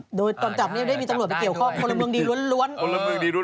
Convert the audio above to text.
โดยตอนจับเนี่ยได้มีตำรวจไปเกี่ยวข้อคนละเมืองดีล้วน